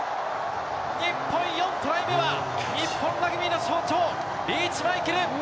日本、４トライ目は、日本ラグビーの象徴、リーチマイケル。